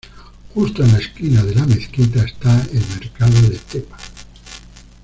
Justo en la esquina de la mezquita está el mercado de Tepa.